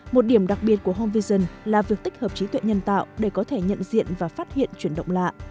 một điểm đặc biệt của home vision là việc tích hợp trí tuệ nhân tạo để có thể nhận diện và phát hiện chuyển động lạ